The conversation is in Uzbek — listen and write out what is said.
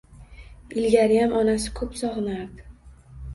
Ilgariyam onasini ko‘p sog‘inardi